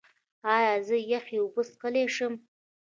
ایا زه یخې اوبه څښلی شم؟